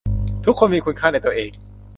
ทุกคนมีคุณค่าในตัวเอง